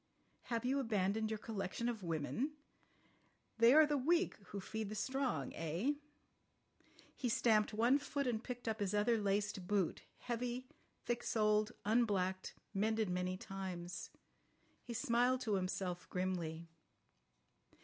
Have you abandoned your collection of women? They are the weak who feed the strong—eh?" He stamped one foot, and picked up his other laced boot, heavy, thick soled, unblacked, mended many times. He smiled to himself grimly.